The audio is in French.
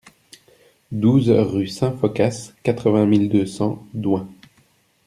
douze rue Saint-Phocas, quatre-vingt mille deux cents Doingt